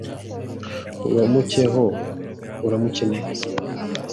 uramukeho, uramuke neza